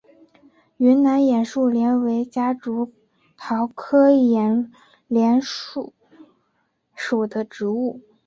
云南眼树莲为夹竹桃科眼树莲属的植物。